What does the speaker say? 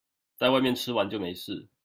在外面吃完就沒事